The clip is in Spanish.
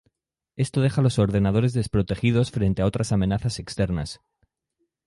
Esto deja los ordenadores desprotegidos frente a otras amenazas externas.